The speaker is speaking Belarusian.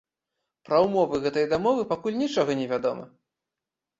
Пра ўмовы гэтай дамовы пакуль нічога не вядома.